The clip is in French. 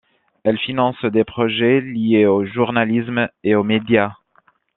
Elle finance des projets liés au journalisme et aux médias.